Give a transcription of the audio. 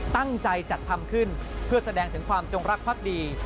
ตั้งใจจัดทำขึ้นเพื่อแสดงถึงความจงรักภักดี